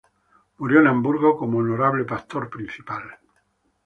Murió en Hamburgo como honorable pastor principal.